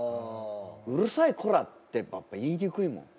「うるさいこら！」ってやっぱ言いにくいもん。